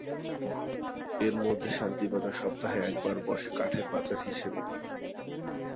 এর মধ্যে শান্তি বাজার সপ্তাহে একবার বসে কাঠের বাজার হিসেবে।